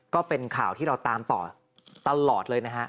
ก็เป็นข่าวที่เราตามต่อตลอดเลยนะฮะ